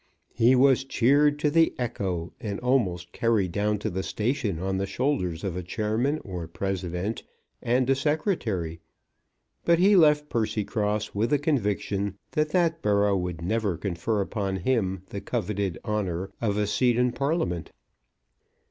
He was cheered to the echo, and almost carried down to the station on the shoulders of a chairman, or president, and a secretary; but he left Percycross with the conviction that that borough would never confer upon him the coveted honour of a seat in Parliament.